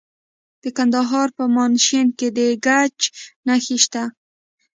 د کندهار په میانشین کې د ګچ نښې شته.